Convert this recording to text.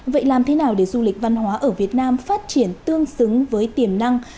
vậy làm thế nào để du lịch văn hóa ở việt nam phát triển tương xứng với tiềm năng